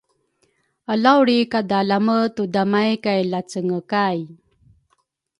alauli kadalame tudamay kay lacengekay.